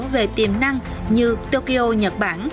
về tiềm năng như tokyo nhật bản